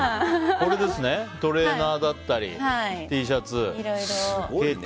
これですね、トレーナーだったりＴシャツ。